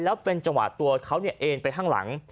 แล้วเป็นจังหวะตัวเขาเอ็นไปข้างหลัง